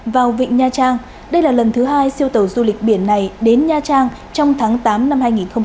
vào vịnh nha trang đây là lần thứ hai siêu tàu du lịch biển này đến nha trang trong tháng tám năm hai nghìn hai mươi